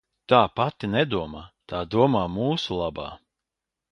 Tā pati nedomā, tā domā mūsu labā.